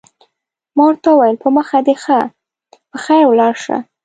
ما ورته وویل: په مخه دې ښه، په خیر ولاړ شه.